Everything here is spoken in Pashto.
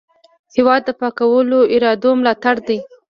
هېواد د پاکو ارادو ملاتړ دی.